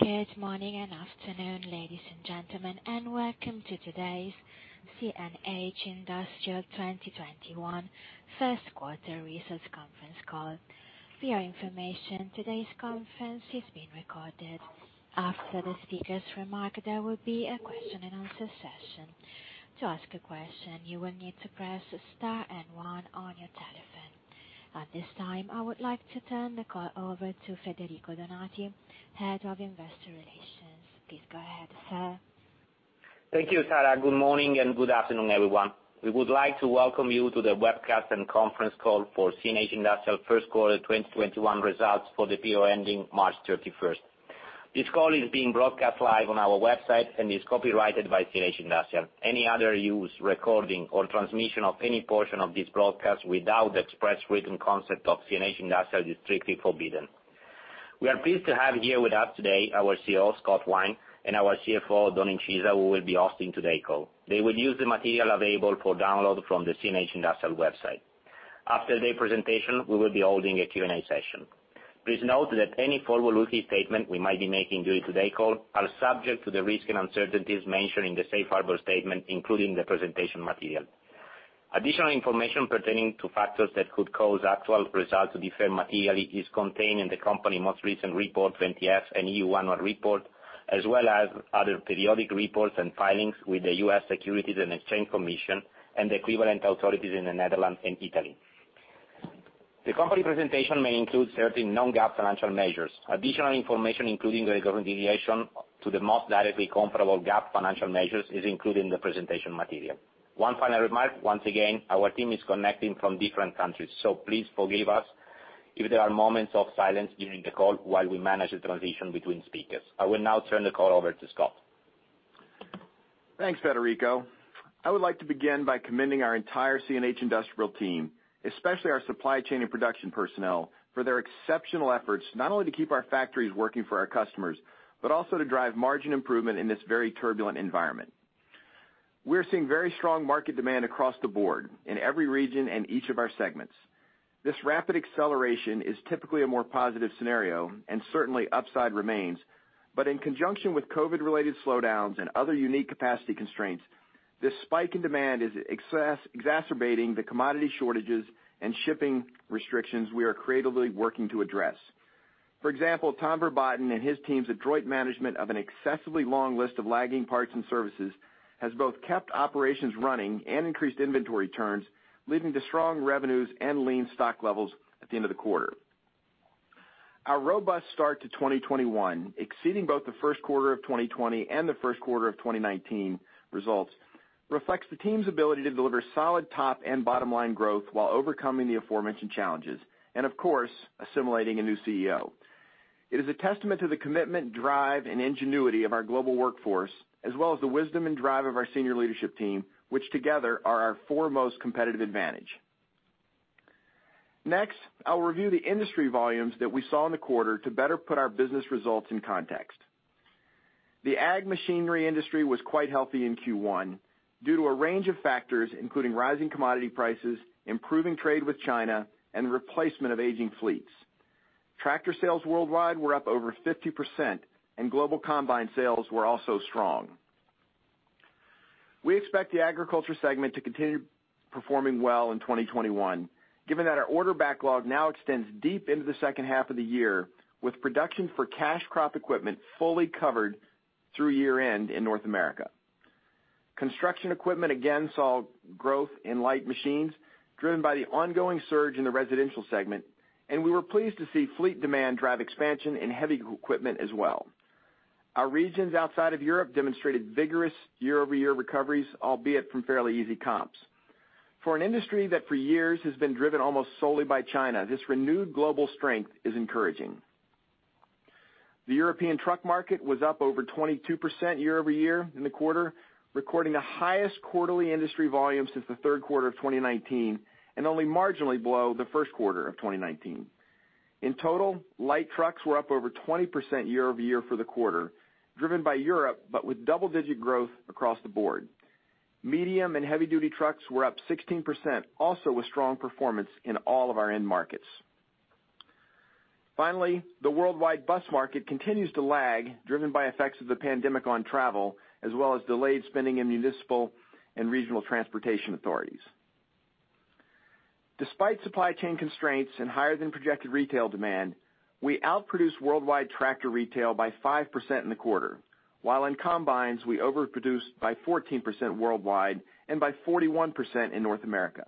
Good morning and afternoon, ladies and gentlemen, and welcome to today's CNH Industrial 2021 first quarter results conference call. For your information, today's conference is being recorded. After the speakers' remark, there will be a question and answer session. To ask a question, you will need to press star and one on your telephone. At this time, I would like to turn the call over to Federico Donati, Head of Investor Relations. Please go ahead, sir. Thank you, Sarah. Good morning and good afternoon, everyone. We would like to welcome you to the webcast and conference call for CNH Industrial first quarter 2021 results for the period ending March 31. This call is being broadcast live on our website and is copyrighted by CNH Industrial. Any other use, recording, or transmission of any portion of this broadcast without the express written consent of CNH Industrial is strictly forbidden. We are pleased to have here with us today our CEO, Scott Wine, and our CFO, Oddone Incisa, who will be hosting today's call. They will use the material available for download from the CNH Industrial website. After their presentation, we will be holding a Q&A session. Please note that any forward-looking statements we might be making during today's call are subject to the risk and uncertainties mentioned in the safe harbor statement, including the presentation material. Additional information pertaining to factors that could cause actual results to differ materially is contained in the company most recent report, 20-F and EU report, as well as other periodic reports and filings with the US Securities and Exchange Commission and the equivalent authorities in the Netherlands and Italy. The company presentation may include certain non-GAAP financial measures. Additional information, including the reconciliation to the most directly comparable GAAP financial measures, is included in the presentation material. One final remark, once again, our team is connecting from different countries, so please forgive us if there are moments of silence during the call while we manage the transition between speakers. I will now turn the call over to Scott. Thanks, Federico. I would like to begin by commending our entire CNH Industrial team, especially our supply chain and production personnel, for their exceptional efforts, not only to keep our factories working for our customers, but also to drive margin improvement in this very turbulent environment. We're seeing very strong market demand across the board in every region and each of our segments. This rapid acceleration is typically a more positive scenario, and certainly upside remains, but in conjunction with COVID-related slowdowns and other unique capacity constraints, this spike in demand is exacerbating the commodity shortages and shipping restrictions we are creatively working to address. For example, Tom Verbaeten and his team's adroit management of an excessively long list of lagging parts and services has both kept operations running and increased inventory turns, leading to strong revenues and lean stock levels at the end of the quarter. Our robust start to 2021, exceeding both the first quarter of 2020 and the first quarter of 2019 results, reflects the team's ability to deliver solid top and bottom-line growth while overcoming the aforementioned challenges and, of course, assimilating a new CEO. It is a testament to the commitment, drive, and ingenuity of our global workforce, as well as the wisdom and drive of our senior leadership team, which together are our foremost competitive advantage. Next, I'll review the industry volumes that we saw in the quarter to better put our business results in context. The ag machinery industry was quite healthy in Q1 due to a range of factors, including rising commodity prices, improving trade with China, and replacement of aging fleets. Tractor sales worldwide were up over 50%, and global combine sales were also strong. We expect the agriculture segment to continue performing well in 2021, given that our order backlog now extends deep into the second half of the year, with production for cash crop equipment fully covered through year-end in North America. Construction equipment again saw growth in light machines driven by the ongoing surge in the residential segment, and we were pleased to see fleet demand drive expansion in heavy equipment as well. Our regions outside of Europe demonstrated vigorous year-over-year recoveries, albeit from fairly easy comps. For an industry that for years has been driven almost solely by China, this renewed global strength is encouraging. The European truck market was up over 22% year-over-year in the quarter, recording the highest quarterly industry volume since the third quarter of 2019, and only marginally below the first quarter of 2019. In total, light trucks were up over 20% year-over-year for the quarter, driven by Europe, but with double-digit growth across the board. Medium and heavy-duty trucks were up 16%, also with strong performance in all of our end markets. Finally, the worldwide bus market continues to lag, driven by effects of the pandemic on travel, as well as delayed spending in municipal and regional transportation authorities. Despite supply chain constraints and higher than projected retail demand, we outproduced worldwide tractor retail by 5% in the quarter. While in combines, we overproduced by 14% worldwide and by 41% in North America.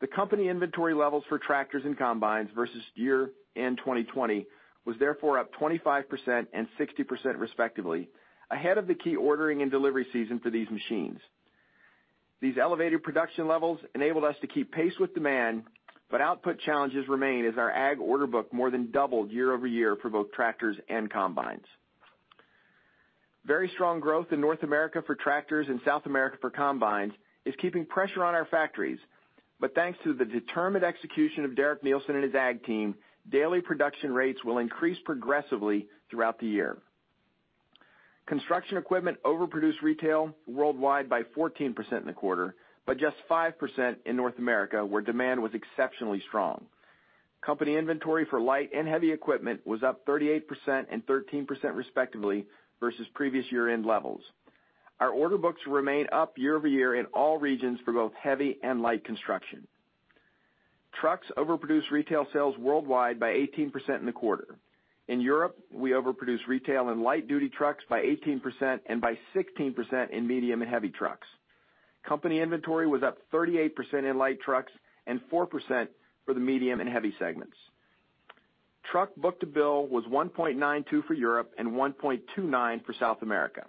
The company inventory levels for tractors and combines versus year-end 2020 was therefore up 25% and 60% respectively, ahead of the key ordering and delivery season for these machines. These elevated production levels enabled us to keep pace with demand, but output challenges remain as our ag order book more than doubled year-over-year for both tractors and combines. Very strong growth in North America for tractors and South America for combines is keeping pressure on our factories, but thanks to the determined execution of Derek Neilson and his ag team, daily production rates will increase progressively throughout the year. Construction equipment overproduced retail worldwide by 14% in the quarter, but just 5% in North America, where demand was exceptionally strong. Company inventory for light and heavy equipment was up 38% and 13%, respectively, versus previous year-end levels. Our order books remain up year-over-year in all regions for both heavy and light construction. Trucks overproduced retail sales worldwide by 18% in the quarter. In Europe, we overproduced retail in light duty trucks by 18% and by 16% in medium and heavy trucks. Company inventory was up 38% in light trucks and 4% for the medium and heavy segments. Truck book to bill was 1.92 for Europe and 1.29 for South America.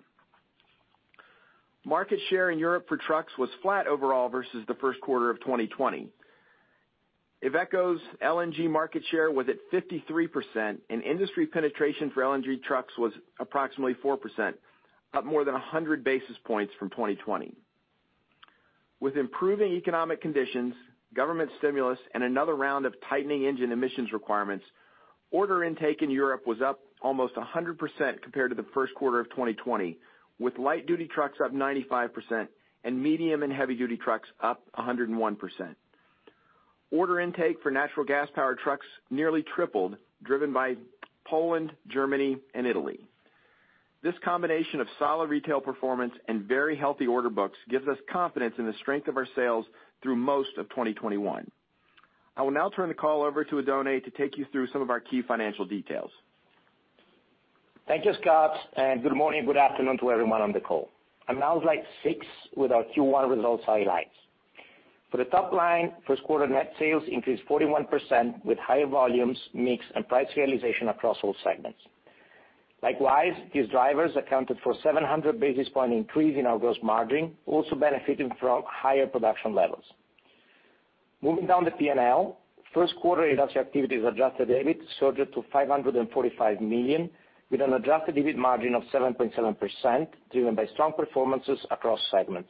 Market share in Europe for trucks was flat overall versus the first quarter of 2020. IVECO's LNG market share was at 53%, and industry penetration for LNG trucks was approximately 4%, up more than 100 basis points from 2020. With improving economic conditions, government stimulus, and another round of tightening engine emissions requirements, order intake in Europe was up almost 100% compared to the first quarter of 2020, with light duty trucks up 95% and medium and heavy duty trucks up 101%. Order intake for natural gas powered trucks nearly tripled, driven by Poland, Germany and Italy. This combination of solid retail performance and very healthy order books gives us confidence in the strength of our sales through most of 2021. I will now turn the call over to Oddone Incisa to take you through some of our key financial details. Thank you, Scott, good morning, good afternoon to everyone on the call. I'm now slide six with our Q1 results highlights. For the top line, first quarter net sales increased 41% with higher volumes, mix, and price realization across all segments. Likewise, these drivers accounted for 700 basis points increase in our gross margin, also benefiting from higher production levels. Moving down the P&L, first quarter Industrial Activity's adjusted EBIT surged to $545 million, with an adjusted EBIT margin of 7.7%, driven by strong performances across segments.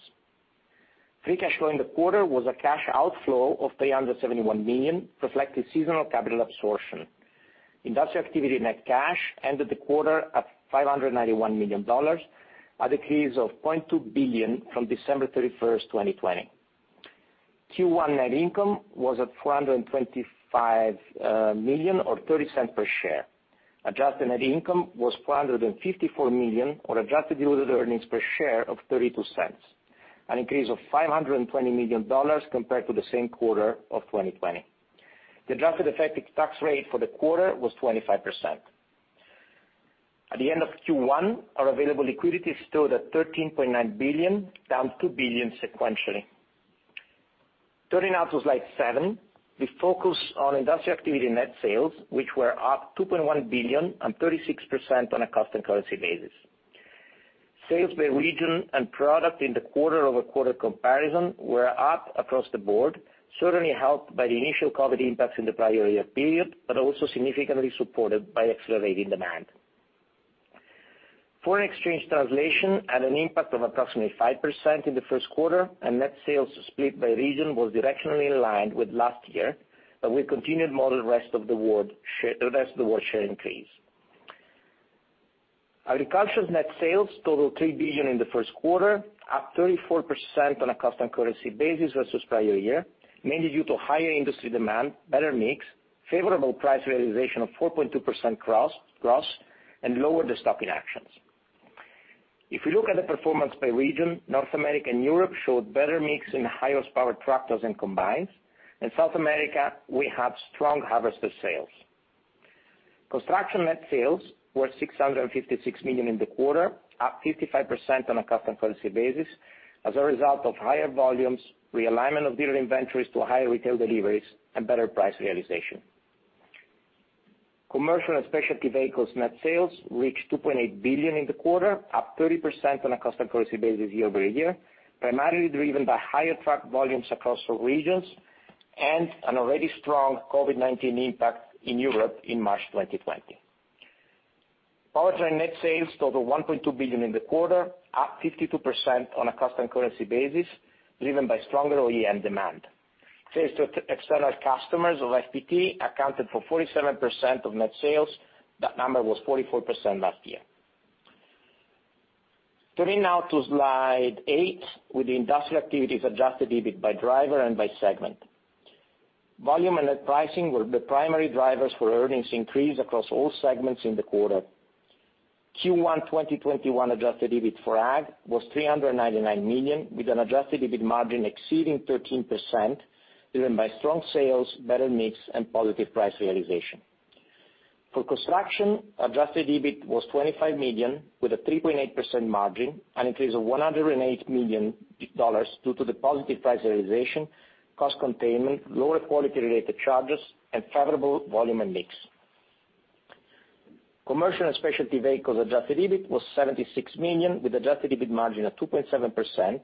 Free cash flow in the quarter was a cash outflow of $371 million, reflecting seasonal capital absorption. Industrial Activity net cash ended the quarter at $591 million, a decrease of $0.2 billion from December 31st, 2020. Q1 net income was at $425 million or $0.30 per share. Adjusted net income was $454 million or adjusted diluted earnings per share of $0.32, an increase of $520 million compared to the same quarter of 2020. The adjusted effective tax rate for the quarter was 25%. At the end of Q1, our available liquidity stood at $13.9 billion, down $2 billion sequentially. Turning now to slide seven, we focus on Industrial Activity net sales, which were up $2.1 billion and 36% on a constant currency basis. Sales by region and product in the quarter-over-quarter comparison were up across the board, certainly helped by the initial COVID-19 impacts in the prior year period, but also significantly supported by accelerating demand. Foreign exchange translation had an impact of approximately 5% in the first quarter, and net sales split by region was directionally aligned with last year, but we continued model rest of the world share increase. Agriculture's net sales totaled $3 billion in the first quarter, up 34% on a constant currency basis versus prior year, mainly due to higher industry demand, better mix, favorable price realization of 4.2% gross, and lower destocking actions. If we look at the performance by region, North America and Europe showed better mix in highest power tractors and combines. In South America, we have strong harvester sales. Construction net sales were 656 million in the quarter, up 55% on a constant currency basis as a result of higher volumes, realignment of dealer inventories to higher retail deliveries, and better price realization. Commercial and Specialty Vehicles net sales reached 2.8 billion in the quarter, up 30% on a constant currency basis year-over-year, primarily driven by higher truck volumes across all regions and an already strong COVID-19 impact in Europe in March 2020. Powertrain net sales totaled 1.2 billion in the quarter, up 52% on a constant currency basis, driven by stronger OEM demand. Sales to external customers of FPT accounted for 47% of net sales. That number was 44% last year. Turning now to slide eight with the Industrial Activity's adjusted EBIT by driver and by segment. Volume and net pricing were the primary drivers for earnings increase across all segments in the quarter. Q1 2021 adjusted EBIT for Ag was 399 million, with an adjusted EBIT margin exceeding 13%, driven by strong sales, better mix, and positive price realization. For Construction, adjusted EBIT was 25 million, with a 3.8% margin, an increase of $108 million due to the positive price realization, cost containment, lower quality-related charges, and favorable volume and mix. Commercial and Specialty Vehicles adjusted EBIT was 76 million, with adjusted EBIT margin of 2.7%,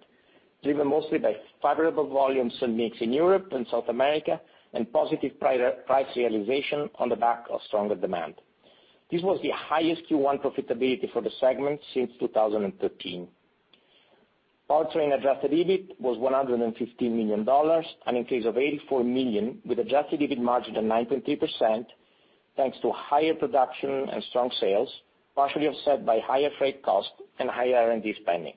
driven mostly by favorable volumes and mix in Europe and South America and positive price realization on the back of stronger demand. This was the highest Q1 profitability for the segment since 2013. Powertrain adjusted EBIT was $115 million, an increase of 84 million with adjusted EBIT margin of 19%, thanks to higher production and strong sales, partially offset by higher freight costs and higher R&D spending.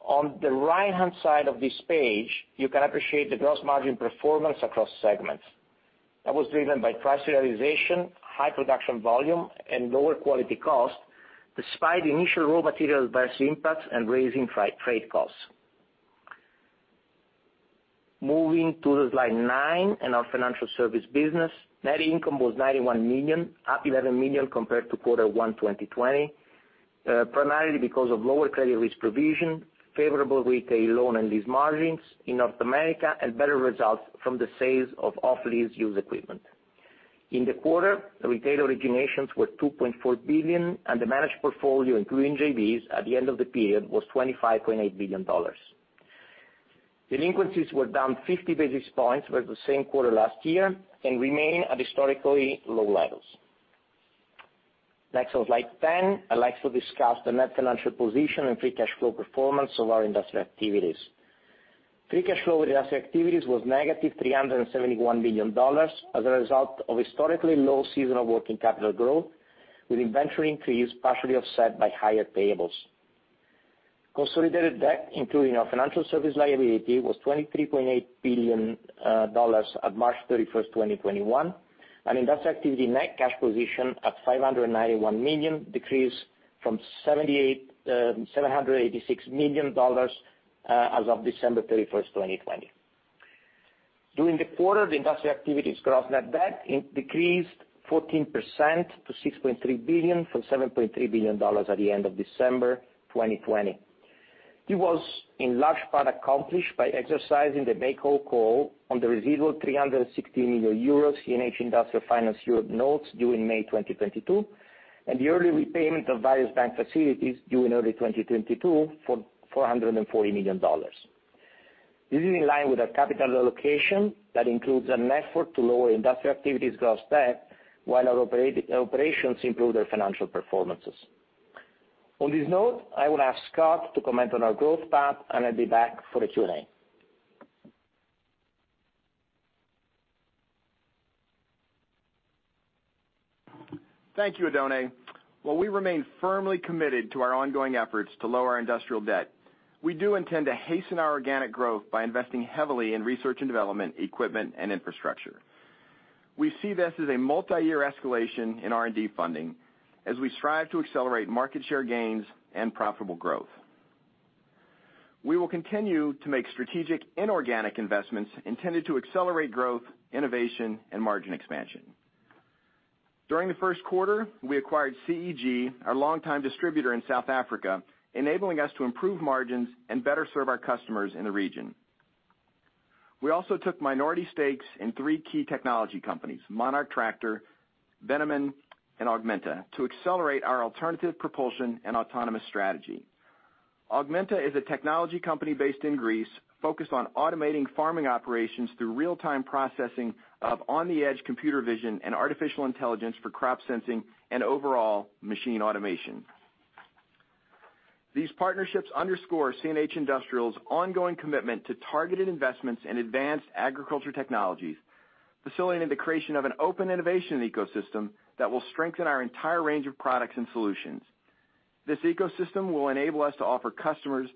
On the right-hand side of this page, you can appreciate the gross margin performance across segments. That was driven by price realization, high production volume, and lower quality cost, despite the initial raw materials adverse impacts and raising freight costs. Moving to slide nine and our financial service business. Net income was $91 million, up $11 million compared to quarter one 2020, primarily because of lower credit risk provision, favorable retail loan and lease margins in North America, and better results from the sales of off-lease used equipment. In the quarter, the retail originations were $2.4 billion, and the managed portfolio, including JVs at the end of the period, was $25.8 billion. Delinquencies were down 50 basis points over the same quarter last year and remain at historically low levels. Next on slide 10, I'd like to discuss the net financial position and free cash flow performance of our industrial activities. Free cash flow industrial activities was negative $371 million as a result of historically low seasonal working capital growth, with inventory increase partially offset by higher payables. Consolidated debt, including our financial service liability, was $23.8 billion at March 31st, 2021. Industrial activity net cash position at $591 million, decreased from $786 million as of December 31, 2020. During the quarter, the industrial activities gross net debt decreased 14% to $6.3 billion from $7.3 billion at the end of December 2020. It was in large part accomplished by exercising the make-whole call on the residual 316 million euros CNH Industrial Finance Europe notes due in May 2022, and the early repayment of various bank facilities due in early 2022 for $440 million. This is in line with our capital allocation that includes an effort to lower industrial activities gross debt while our operations improve their financial performances. On this note, I will ask Scott to comment on our growth path, and I'll be back for the Q&A. Thank you, Oddone Incisa. While we remain firmly committed to our ongoing efforts to lower our industrial debt, we do intend to hasten our organic growth by investing heavily in research and development, equipment, and infrastructure. We see this as a multi-year escalation in R&D funding as we strive to accelerate market share gains and profitable growth. We will continue to make strategic inorganic investments intended to accelerate growth, innovation, and margin expansion. During the first quarter, we acquired CEG, our longtime distributor in South Africa, enabling us to improve margins and better serve our customers in the region. We also took minority stakes in three key technology companies, Monarch Tractor, Bennamann, and Augmenta, to accelerate our alternative propulsion and autonomous strategy. Augmenta is a technology company based in Greece focused on automating farming operations through real-time processing of on-the-edge computer vision and artificial intelligence for crop sensing and overall machine automation. These partnerships underscore CNH Industrial's ongoing commitment to targeted investments in advanced agriculture technologies, facilitating the creation of an open innovation ecosystem that will strengthen our entire range of products and solutions. This ecosystem will enable us to offer customers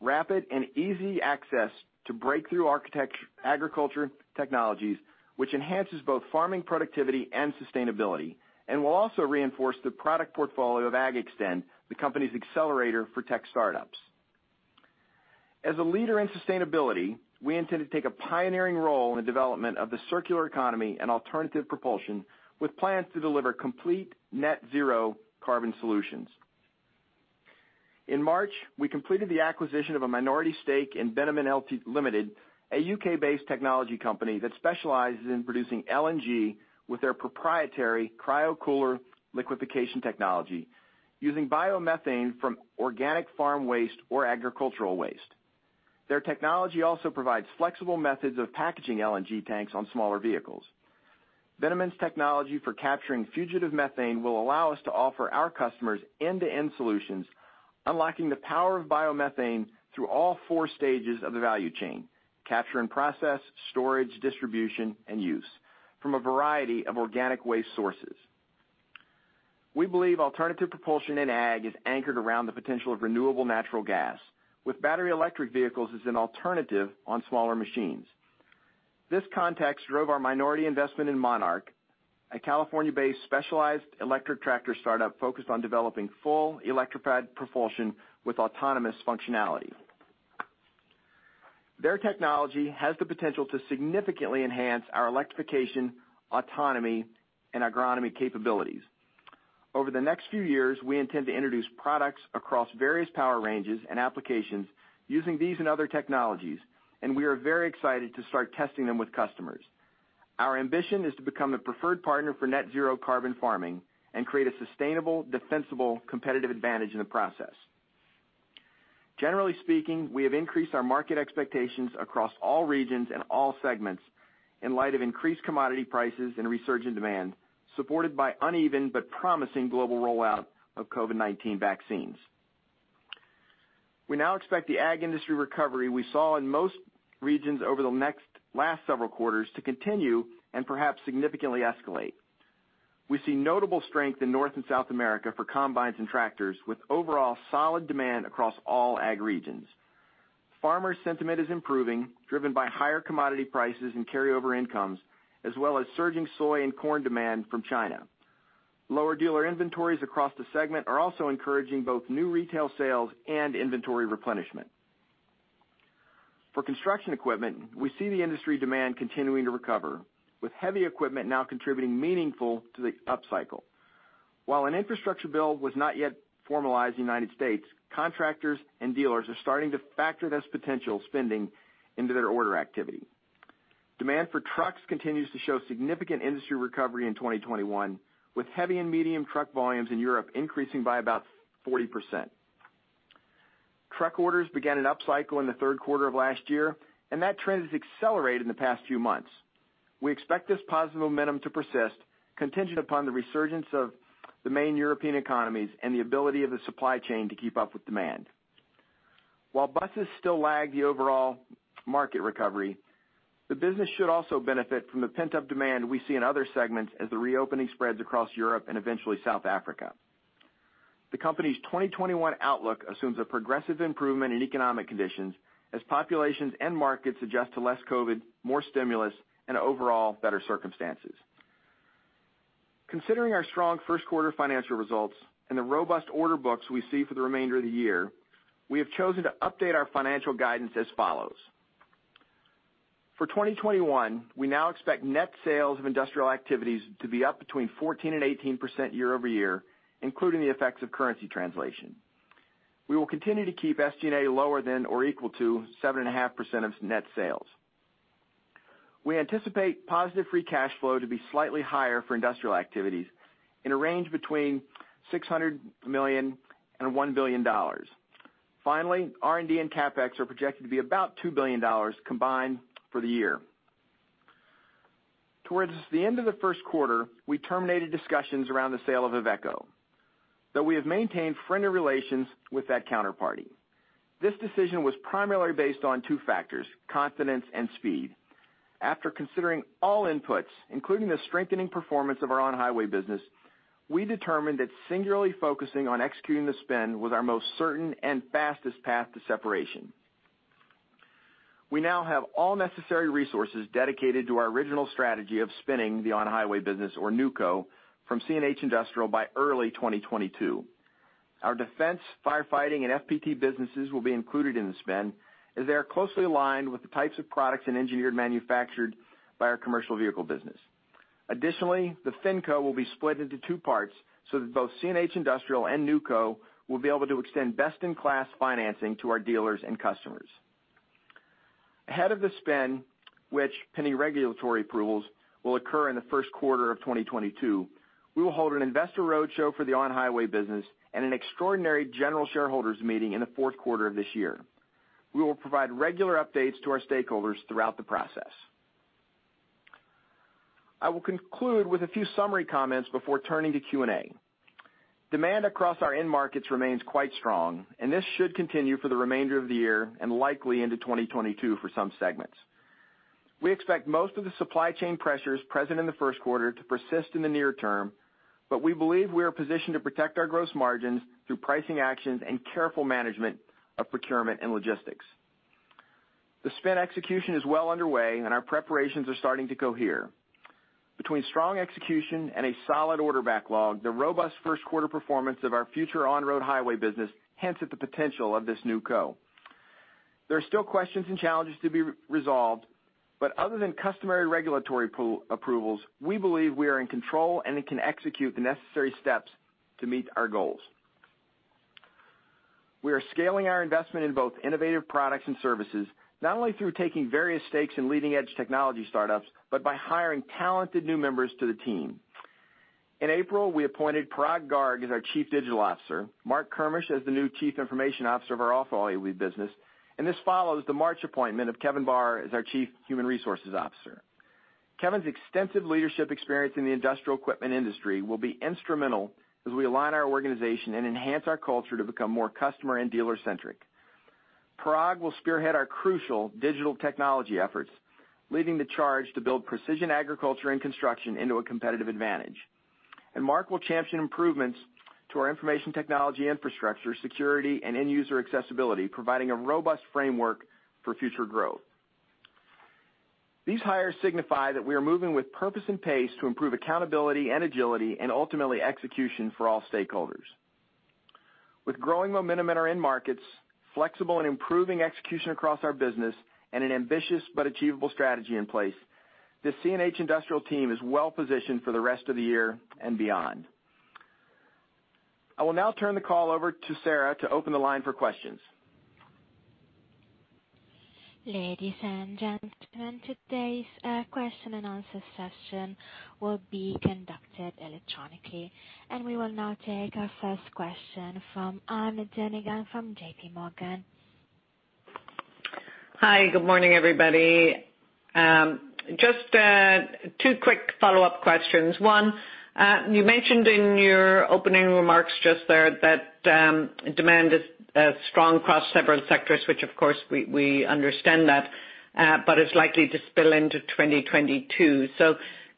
rapid and easy access to breakthrough agriculture technologies, which enhances both farming productivity and sustainability and will also reinforce the product portfolio of AGXTEND, the company's accelerator for tech startups. As a leader in sustainability, we intend to take a pioneering role in the development of the circular economy and alternative propulsion, with plans to deliver complete net zero carbon solutions. In March, we completed the acquisition of a minority stake in Bennamann Ltd., a U.K.-based technology company that specializes in producing LNG with their proprietary cryocooler liquefaction technology using biomethane from organic farm waste or agricultural waste. Their technology also provides flexible methods of packaging LNG tanks on smaller vehicles. Bennamann's technology for capturing fugitive methane will allow us to offer our customers end-to-end solutions, unlocking the power of biomethane through all four stages of the value chain, capture and process, storage, distribution, and use from a variety of organic waste sources. We believe alternative propulsion in ag is anchored around the potential of renewable natural gas with battery electric vehicles as an alternative on smaller machines. This context drove our minority investment in Monarch, a California-based specialized electric tractor startup focused on developing full electrified propulsion with autonomous functionality. Their technology has the potential to significantly enhance our electrification, autonomy, and agronomy capabilities. Over the next few years, we intend to introduce products across various power ranges and applications using these and other technologies, and we are very excited to start testing them with customers. Our ambition is to become the preferred partner for net zero carbon farming and create a sustainable, defensible competitive advantage in the process. Generally speaking, we have increased our market expectations across all regions and all segments in light of increased commodity prices and resurgent demand, supported by uneven but promising global rollout of COVID-19 vaccines. We now expect the ag industry recovery we saw in most regions over the last several quarters to continue and perhaps significantly escalate. We see notable strength in North and South America for combines and tractors with overall solid demand across all ag regions. Farmer sentiment is improving, driven by higher commodity prices and carryover incomes, as well as surging soy and corn demand from China. Lower dealer inventories across the segment are also encouraging both new retail sales and inventory replenishment. For construction equipment, we see the industry demand continuing to recover, with heavy equipment now contributing meaningful to the upcycle. While an infrastructure bill was not yet formalized in the U.S., contractors and dealers are starting to factor this potential spending into their order activity. Demand for trucks continues to show significant industry recovery in 2021, with heavy and medium truck volumes in Europe increasing by about 40%. Truck orders began an upcycle in the third quarter of last year, and that trend has accelerated in the past few months. We expect this positive momentum to persist contingent upon the resurgence of the main European economies and the ability of the supply chain to keep up with demand. While buses still lag the overall market recovery, the business should also benefit from the pent-up demand we see in other segments as the reopening spreads across Europe and eventually South Africa. The company's 2021 outlook assumes a progressive improvement in economic conditions as populations and markets adjust to less COVID, more stimulus, and overall better circumstances. Considering our strong first quarter financial results and the robust order books we see for the remainder of the year, we have chosen to update our financial guidance as follows. For 2021, we now expect net sales of Industrial Activities to be up between 14% and 18% year-over-year, including the effects of currency translation. We will continue to keep SG&A lower than or equal to 7.5% of net sales. We anticipate positive free cash flow to be slightly higher for Industrial Activities in a range between $600 million and $1 billion. Finally, R&D and CapEx are projected to be about $2 billion combined for the year. Towards the end of the first quarter, we terminated discussions around the sale of IVECO, though we have maintained friendly relations with that counterparty. This decision was primarily based on two factors, confidence and speed. After considering all inputs, including the strengthening performance of our on-highway business, we determined that singularly focusing on executing the spin was our most certain and fastest path to separation. We now have all necessary resources dedicated to our original strategy of spinning the on-highway business, or NewCo, from CNH Industrial by early 2022. Our defense, firefighting, and FPT businesses will be included in the spin, as they are closely aligned with the types of products and engineered manufactured by our commercial vehicle business. Additionally, the FinCo will be split into two parts, so that both CNH Industrial and NewCo will be able to extend best-in-class financing to our dealers and customers. Ahead of the spin, which pending regulatory approvals will occur in the first quarter of 2022, we will hold an investor roadshow for the On-Highway business and an extraordinary general shareholders meeting in the fourth quarter of this year. We will provide regular updates to our stakeholders throughout the process. I will conclude with a few summary comments before turning to Q&A. Demand across our end markets remains quite strong, and this should continue for the remainder of the year and likely into 2022 for some segments. We expect most of the supply chain pressures present in the first quarter to persist in the near term, but we believe we are positioned to protect our gross margins through pricing actions and careful management of procurement and logistics. The spin execution is well underway, and our preparations are starting to cohere. Between strong execution and a solid order backlog, the robust first quarter performance of our future On-Highway business hints at the potential of this NewCo. There are still questions and challenges to be resolved, but other than customary regulatory approvals, we believe we are in control and can execute the necessary steps to meet our goals. We are scaling our investment in both innovative products and services, not only through taking various stakes in leading-edge technology startups, but by hiring talented new members to the team. In April, we appointed Parag Garg as our Chief Digital Officer, Marc Kermisch as the new Chief Information Officer of our Off-Highway business. This follows the March appointment of Kevin Barr as our Chief Human Resources Officer. Kevin's extensive leadership experience in the industrial equipment industry will be instrumental as we align our organization and enhance our culture to become more customer and dealer-centric. Parag will spearhead our crucial digital technology efforts, leading the charge to build precision agriculture and construction into a competitive advantage. Marc will champion improvements to our information technology infrastructure, security, and end-user accessibility, providing a robust framework for future growth. These hires signify that we are moving with purpose and pace to improve accountability and agility, and ultimately execution for all stakeholders. With growing momentum in our end markets, flexible and improving execution across our business, and an ambitious but achievable strategy in place, the CNH Industrial team is well positioned for the rest of the year and beyond. I will now turn the call over to Sarah to open the line for questions. Ladies and gentlemen, today's question and answer session will be conducted electronically. We will now take our first question from Ann Duignan from JPMorgan. Hi. Good morning, everybody. Just two quick follow-up questions. One, you mentioned in your opening remarks just there that demand is strong across several sectors, which of course, we understand that, but it's likely to spill into 2022.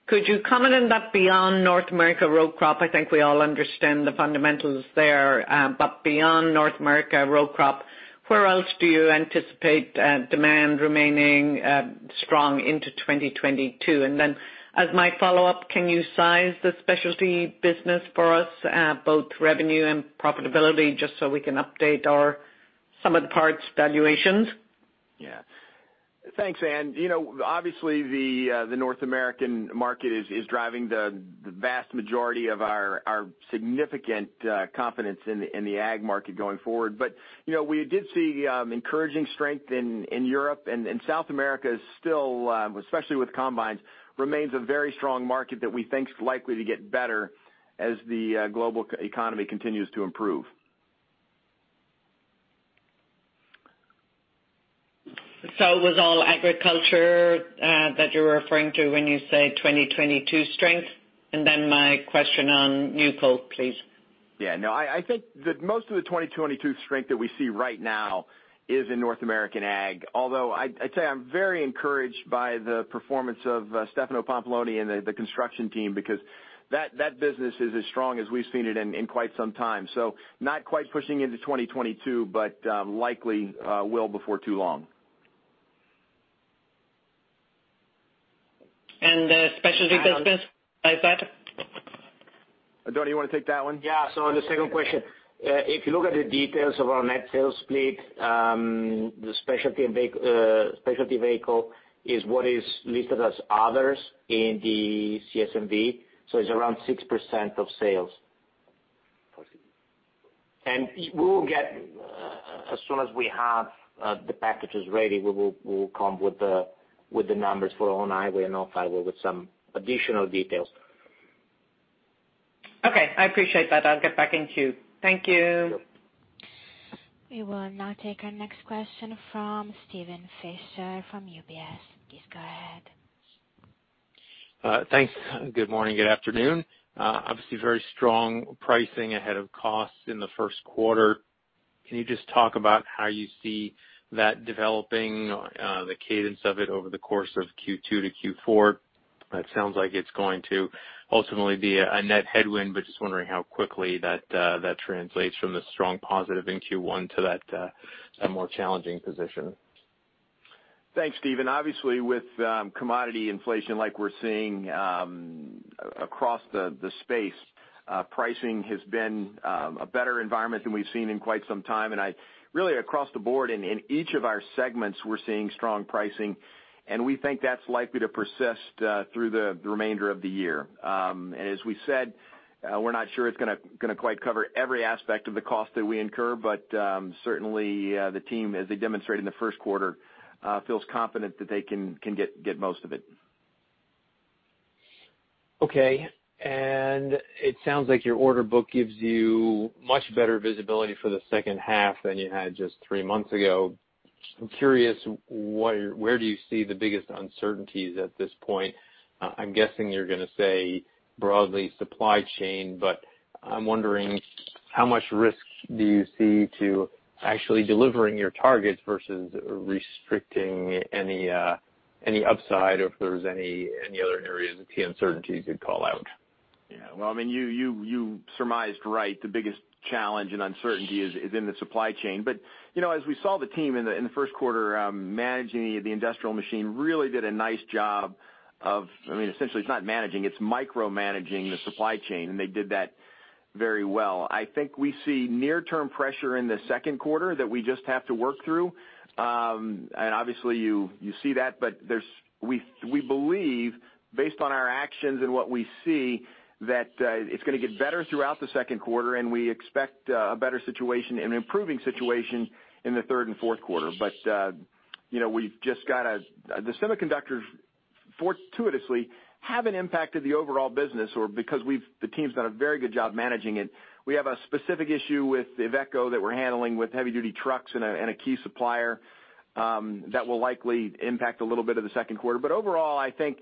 Could you comment on that beyond North America row crop? I think we all understand the fundamentals there, but beyond North America row crop, where else do you anticipate demand remaining strong into 2022? As my follow-up, can you size the specialty business for us, both revenue and profitability, just so we can update our sum of the parts valuations? Yeah. Thanks, Ann. Obviously, the North American market is driving the vast majority of our significant confidence in the ag market going forward. We did see encouraging strength in Europe. South America is still, especially with combines, remains a very strong market that we think is likely to get better as the global economy continues to improve. It was all agriculture that you were referring to when you say 2022 strength? My question on New Holland, please. Yeah, no, I think that most of the 2022 strength that we see right now is in North American ag. Although I'd say I'm very encouraged by the performance of Stefano Pampalone and the Construction team, because that business is as strong as we've seen it in quite some time. Not quite pushing into 2022, but likely will before too long. The specialty business, size that? Oddone, do you want to take that one? Yeah. On the second question, if you look at the details of our net sales split, the specialty vehicle is what is listed as others in the CSV. It's around 6% of sales. We will get, as soon as we have the packages ready, we will come with the numbers for On-Highway and Off-Highway with some additional details. Okay. I appreciate that. I'll get back in queue. Thank you. Yep. We will now take our next question from Steven Fisher from UBS. Please go ahead. Thanks. Good morning, good afternoon. Obviously, very strong pricing ahead of costs in the first quarter. Can you just talk about how you see that developing, the cadence of it over the course of Q2 to Q4? It sounds like it's going to ultimately be a net headwind, but just wondering how quickly that translates from the strong positive in Q1 to that more challenging position. Thanks, Steven. Obviously, with commodity inflation like we're seeing across the space, pricing has been a better environment than we've seen in quite some time. Really across the board in each of our segments, we're seeing strong pricing, and we think that's likely to persist through the remainder of the year. As we said, we're not sure it's going to quite cover every aspect of the cost that we incur, but certainly the team, as they demonstrated in the first quarter, feels confident that they can get most of it. Okay. It sounds like your order book gives you much better visibility for the second half than you had just three months ago. I'm curious, where do you see the biggest uncertainties at this point? I'm guessing you're going to say broadly supply chain, but I'm wondering how much risk do you see to actually delivering your targets versus restricting any upside if there's any other areas of key uncertainty you could call out? Yeah. Well, you surmised right. The biggest challenge and uncertainty is in the supply chain. As we saw the team in the first quarter managing the industrial machine really did a nice job of, essentially it's not managing, it's micromanaging the supply chain, and they did that very well. I think we see near-term pressure in the second quarter that we just have to work through. Obviously you see that, but we believe based on our actions and what we see, that it's going to get better throughout the second quarter and we expect a better situation and improving situation in the third and fourth quarter. The semiconductors fortuitously have impacted the overall business because the team's done a very good job managing it. We have a specific issue with the IVECO that we're handling with heavy duty trucks and a key supplier that will likely impact a little bit of the second quarter. Overall, I think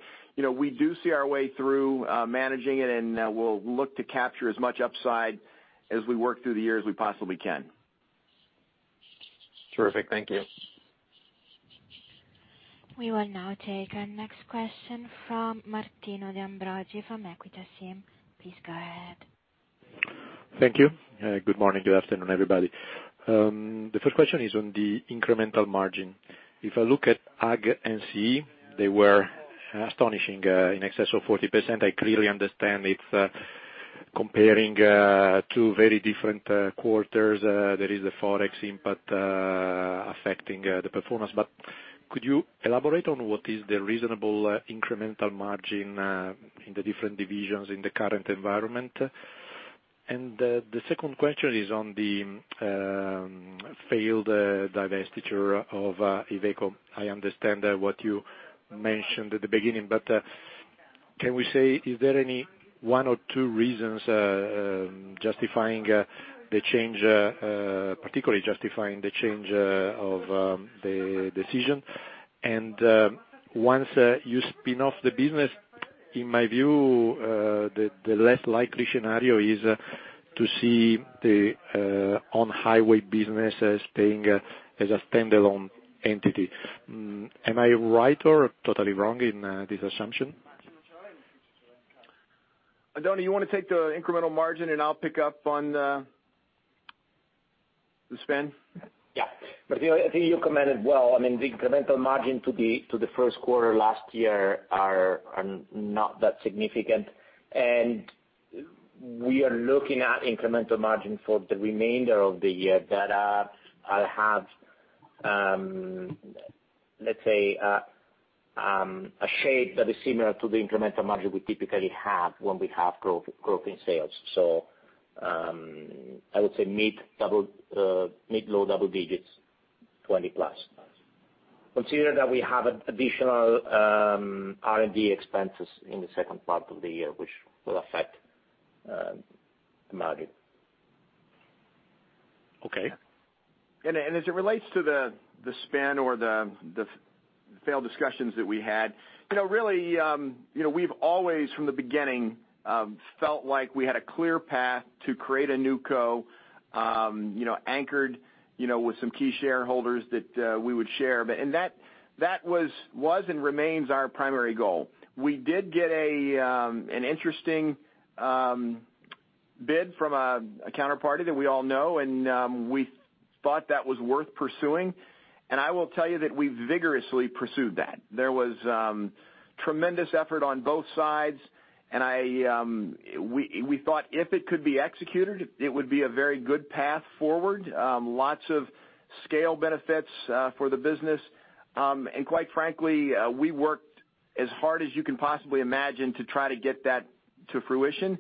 we do see our way through managing it, and we'll look to capture as much upside as we work through the year as we possibly can. Terrific. Thank you. We will now take our next question from Martino De Ambroggi from Equita SIM. Please go ahead. Thank you. Good morning, good afternoon, everybody. The first question is on the incremental margin. If I look at Ag and CE, they were astonishing, in excess of 40%. I clearly understand it's comparing two very different quarters. There is a Forex impact affecting the performance. Could you elaborate on what is the reasonable incremental margin in the different divisions in the current environment? The second question is on the failed divestiture of IVECO. I understand what you mentioned at the beginning. Can we say, is there any one or two reasons justifying the change, particularly justifying the change of the decision? Once you spin off the business, in my view, the less likely scenario is to see the on-highway business as staying as a standalone entity. Am I right or totally wrong in this assumption? Oddone, you want to take the incremental margin and I'll pick up on the spin? Yeah. I think you commented well. I mean, the incremental margin to the first quarter last year are not that significant. We are looking at incremental margin for the remainder of the year that have, let's say, a shape that is similar to the incremental margin we typically have when we have growth in sales. I would say mid low double digits, 20+. Consider that we have additional R&D expenses in the second part of the year, which will affect the margin. Okay. As it relates to the spin or the failed discussions that we had, really we've always, from the beginning, felt like we had a clear path to create a NewCo, anchored with some key shareholders that we would share. That was and remains our primary goal. We did get an interesting bid from a counterparty that we all know, and we thought that was worth pursuing, and I will tell you that we vigorously pursued that. There was tremendous effort on both sides, and we thought if it could be executed, it would be a very good path forward. Lots of scale benefits for the business. Quite frankly, we worked as hard as you can possibly imagine to try to get that to fruition.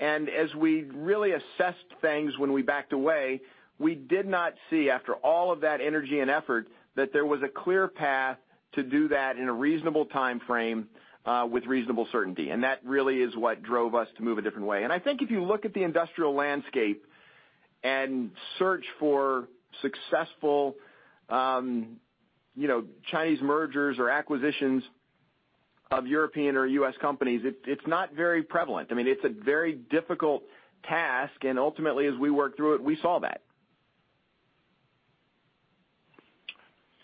As we really assessed things, when we backed away, we did not see, after all of that energy and effort, that there was a clear path to do that in a reasonable timeframe, with reasonable certainty. That really is what drove us to move a different way. I think if you look at the industrial landscape and search for successful Chinese mergers or acquisitions of European or U.S. companies, it's not very prevalent. I mean, it's a very difficult task, and ultimately, as we worked through it, we saw that.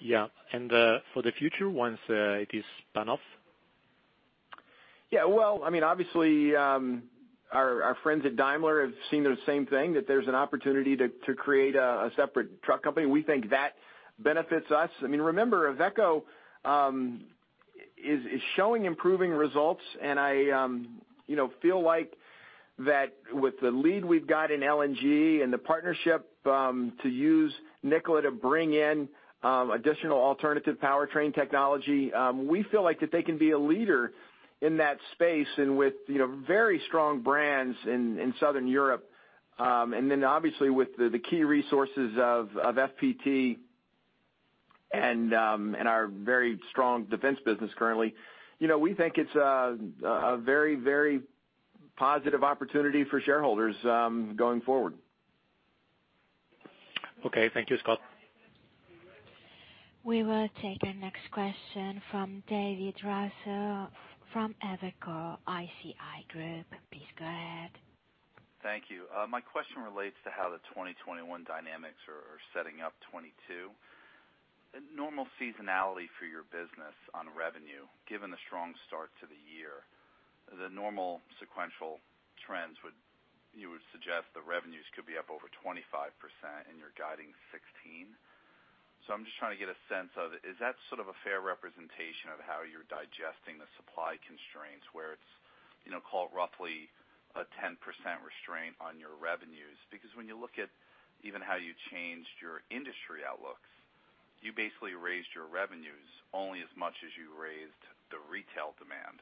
Yeah. For the future, once it is spun off? Yeah. Well, obviously, our friends at Daimler have seen the same thing, that there's an opportunity to create a separate truck company. We think that benefits us. Remember, IVECO is showing improving results, and I feel like that with the lead we've got in LNG and the partnership to use Nikola to bring in additional alternative powertrain technology, we feel like that they can be a leader in that space and with very strong brands in Southern Europe. Then obviously with the key resources of FPT and our very strong defense business currently. We think it's a very positive opportunity for shareholders going forward. Okay, thank you, Scott. We will take the next question from David Raso, from Evercore ISI. Please go ahead. Thank you. My question relates to how the 2021 dynamics are setting up 2022. Normal seasonality for your business on revenue, given the strong start to the year, the normal sequential trends, you would suggest the revenues could be up over 25%, and you're guiding 16. I'm just trying to get a sense of, is that sort of a fair representation of how you're digesting the supply constraints where it's roughly a 10% restraint on your revenues? When you look at even how you changed your industry outlooks, you basically raised your revenues only as much as you raised the retail demand.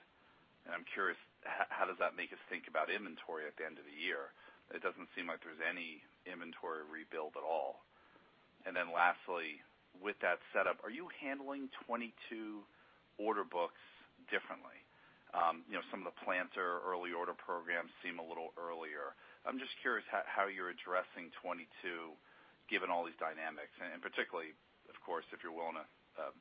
I'm curious, how does that make us think about inventory at the end of the year? It doesn't seem like there's any inventory rebuild at all. Lastly, with that setup, are you handling 2022 order books differently? Some of the planter early order programs seem a little earlier. I'm just curious how you're addressing 2022, given all these dynamics, and particularly, of course, if you're willing to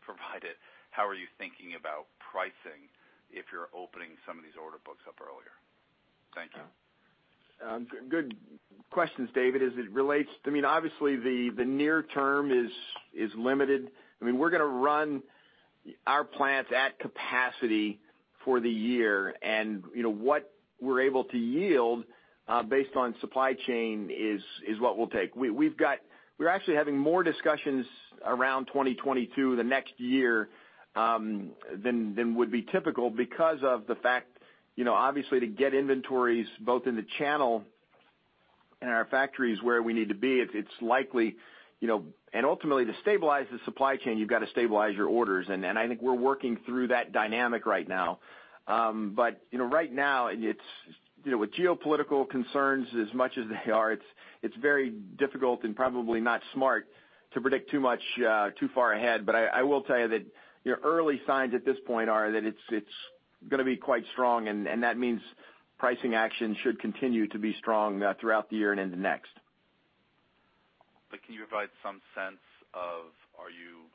provide it, how are you thinking about pricing if you're opening some of these order books up earlier? Thank you. Good questions, David. As it relates, obviously, the near term is limited. We're going to run our plants at capacity for the year, and what we're able to yield, based on supply chain, is what we'll take. We're actually having more discussions around 2022, the next year, than would be typical because of the fact obviously to get inventories both in the channel and our factories where we need to be. Ultimately to stabilize the supply chain, you've got to stabilize your orders, and I think we're working through that dynamic right now. Right now, with geopolitical concerns, as much as they are, it's very difficult and probably not smart to predict too much too far ahead. I will tell you that early signs at this point are that it's going to be quite strong, and that means pricing action should continue to be strong throughout the year and into next. Can you provide some sense of,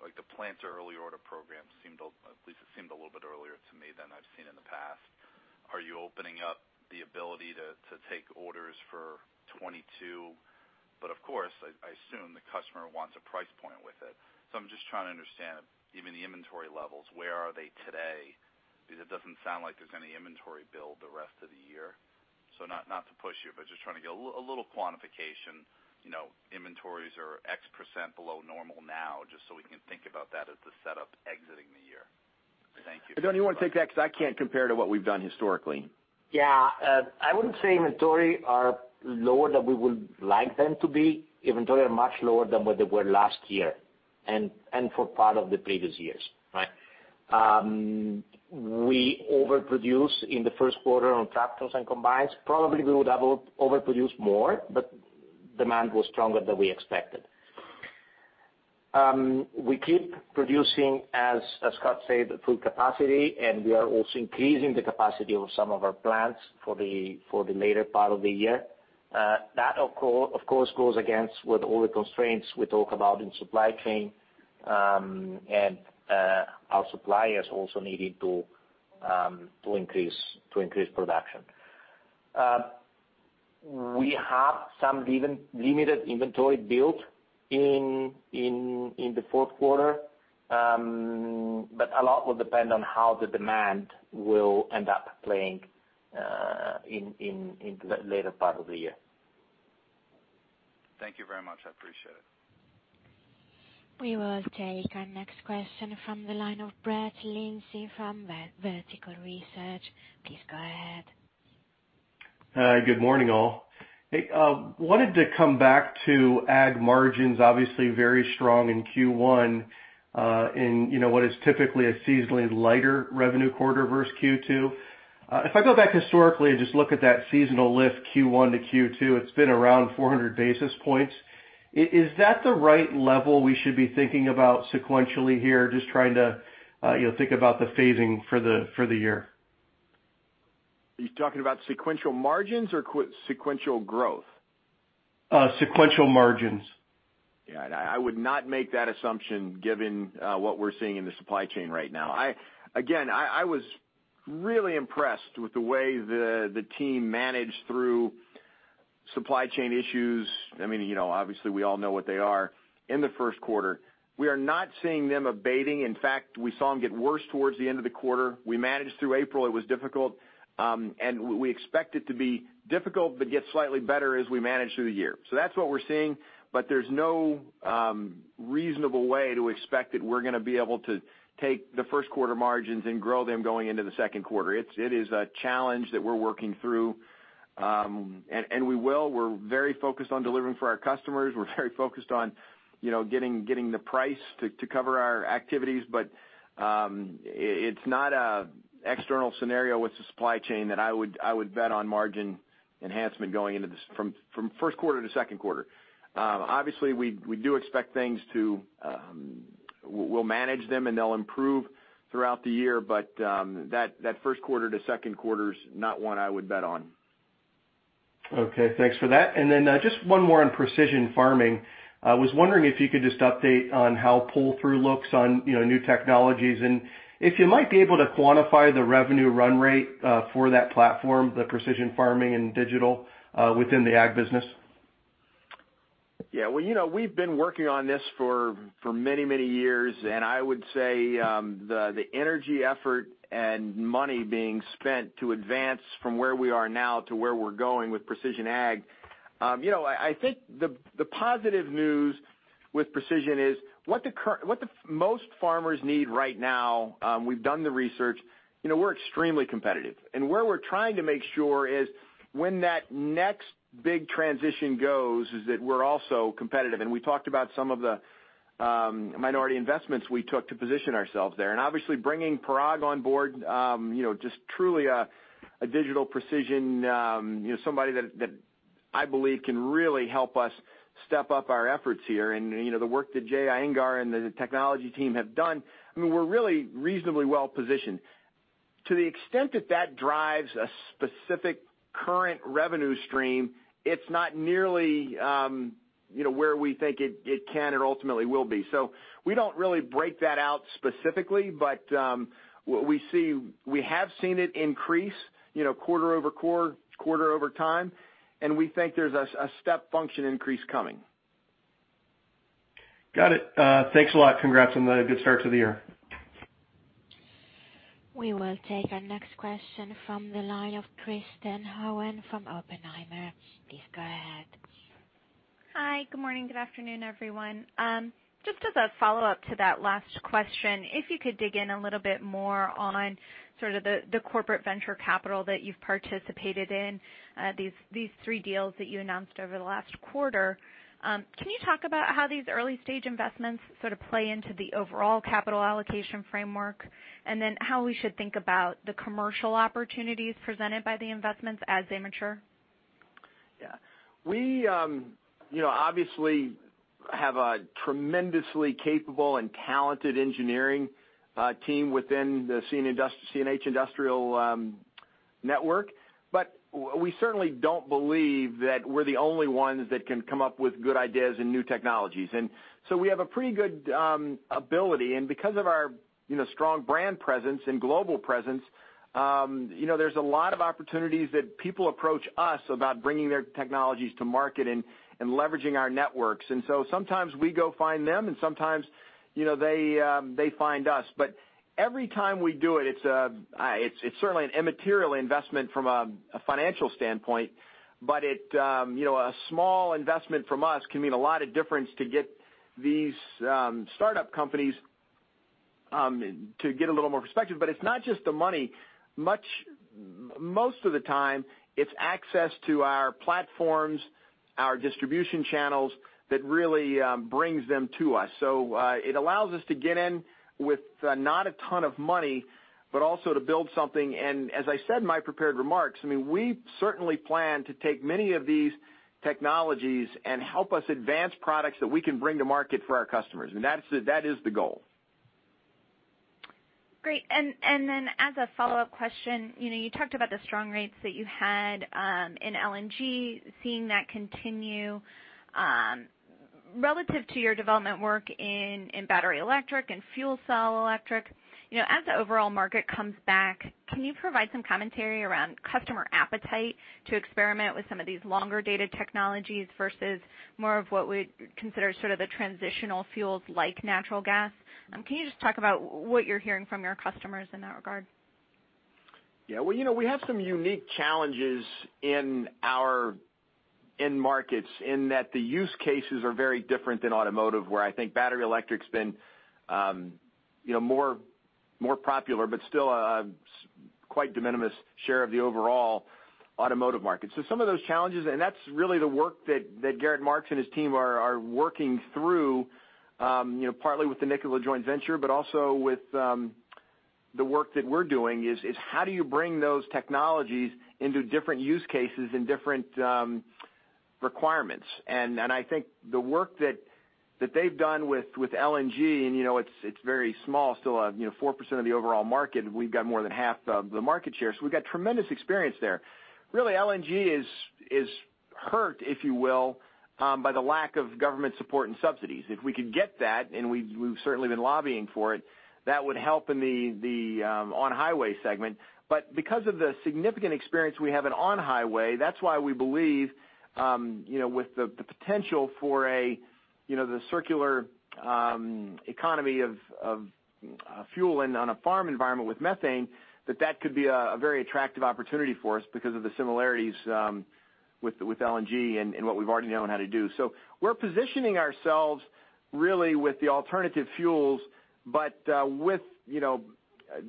like, the plants early order program, at least it seemed a little bit earlier to me than I've seen in the past. Are you opening up the ability to take orders for 2022? Of course, I assume the customer wants a price point with it. I'm just trying to understand even the inventory levels, where are they today? Because it doesn't sound like there's any inventory build the rest of the year. Not to push you, but just trying to get a little quantification. Inventories are X% below normal now, just so we can think about that as the setup exiting the year. Thank you. Oddone, you want to take that? I can't compare to what we've done historically. Yeah. I wouldn't say inventory are lower than we would like them to be. Inventory are much lower than what they were last year, and for part of the previous years, right? We overproduced in the first quarter on tractors and combines. Probably we would have overproduced more, but demand was stronger than we expected. We keep producing, as Scott said, at full capacity, and we are also increasing the capacity of some of our plants for the later part of the year. That, of course, goes against with all the constraints we talk about in supply chain, and our suppliers also needing to increase production. We have some limited inventory built in the fourth quarter, but a lot will depend on how the demand will end up playing in the later part of the year. Thank you very much. I appreciate it. We will take our next question from the line of Brett Linzey from Vertical Research. Please go ahead. Good morning, all. Hey, wanted to come back to ag margins, obviously very strong in Q1, in what is typically a seasonally lighter revenue quarter versus Q2. If I go back historically and just look at that seasonal lift, Q1 to Q2, it's been around 400 basis points. Is that the right level we should be thinking about sequentially here? Just trying to think about the phasing for the year. Are you talking about sequential margins or sequential growth? Sequential margins. I would not make that assumption given what we're seeing in the supply chain right now. I was really impressed with the way the team managed through supply chain issues. We all know what they are in the first quarter. We are not seeing them abating. We saw them get worse towards the end of the quarter. We managed through April. It was difficult, and we expect it to be difficult, but get slightly better as we manage through the year. That's what we're seeing, but there's no reasonable way to expect that we're going to be able to take the first quarter margins and grow them going into the second quarter. It is a challenge that we're working through. We will, we're very focused on delivering for our customers. We're very focused on getting the price to cover our activities. It's not an external scenario with the supply chain that I would bet on margin enhancement going into this from first quarter to second quarter. Obviously, we do expect things, we'll manage them, and they'll improve throughout the year. That first quarter to second quarter is not one I would bet on. Okay, thanks for that. Just one more on precision farming. I was wondering if you could just update on how pull-through looks on new technologies and if you might be able to quantify the revenue run rate for that platform, the precision farming and digital within the ag business. Yeah. We've been working on this for many, many years, I would say, the energy effort and money being spent to advance from where we are now to where we're going with precision ag. I think the positive news with precision is what the most farmers need right now. We've done the research. We're extremely competitive. Where we're trying to make sure is when that next big transition goes is that we're also competitive. We talked about some of the minority investments we took to position ourselves there. Obviously bringing Parag on board, just truly a digital precision, somebody that I believe can really help us step up our efforts here. The work that Jayanthi Iyengar and the technology team have done, we're really reasonably well positioned. To the extent that that drives a specific current revenue stream, it's not nearly where we think it can and ultimately will be. We don't really break that out specifically, but we have seen it increase quarter-over-quarter over time, and we think there's a step function increase coming. Got it. Thanks a lot. Congrats on the good start to the year. We will take our next question from the line of Kristen Owen from Oppenheimer. Please go ahead. Hi, good morning, good afternoon, everyone. Just as a follow-up to that last question, if you could dig in a little bit more on sort of the corporate venture capital that you've participated in, these three deals that you announced over the last quarter. Can you talk about how these early-stage investments sort of play into the overall capital allocation framework, and then how we should think about the commercial opportunities presented by the investments as they mature? Yeah. We obviously have a tremendously capable and talented engineering team within the CNH Industrial network, but we certainly don't believe that we're the only ones that can come up with good ideas and new technologies. We have a pretty good ability, and because of our strong brand presence and global presence, there's a lot of opportunities that people approach us about bringing their technologies to market and leveraging our networks. Sometimes we go find them, and sometimes they find us. Every time we do it's certainly an immaterial investment from a financial standpoint, but a small investment from us can mean a lot of difference to get these startup companies, to get a little more perspective. It's not just the money. Most of the time, it's access to our platforms, our distribution channels, that really brings them to us. It allows us to get in with not a ton of money, but also to build something. As I said in my prepared remarks, we certainly plan to take many of these technologies and help us advance products that we can bring to market for our customers. That is the goal. Great. Then as a follow-up question, you talked about the strong rates that you had in LNG, seeing that continue. Relative to your development work in battery electric and fuel cell electric, as the overall market comes back, can you provide some commentary around customer appetite to experiment with some of these longer-dated technologies versus more of what we'd consider sort of the transitional fuels like natural gas? Can you just talk about what you're hearing from your customers in that regard? Yeah. We have some unique challenges in our end markets in that the use cases are very different than automotive, where I think battery electric's been more popular, but still a quite de minimis share of the overall automotive market. Some of those challenges, and that's really the work that Gerrit Marx and his team are working through, partly with the Nikola joint venture, but also with the work that we're doing is how do you bring those technologies into different use cases and different requirements? I think the work that they've done with LNG, and it's very small, still 4% of the overall market, and we've got more than half of the market share. We've got tremendous experience there. Really, LNG is hurt, if you will, by the lack of government support and subsidies. If we could get that, and we've certainly been lobbying for it, that would help in the On-Highway segment. Because of the significant experience we have in On-Highway, that's why we believe with the potential for the circular economy of fuel and on a farm environment with methane, that that could be a very attractive opportunity for us because of the similarities with LNG and what we already know how to do. We're positioning ourselves really with the alternative fuels, but with